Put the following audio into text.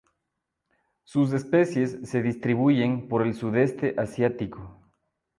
Sus especies se distribuyen por el sudeste asiático.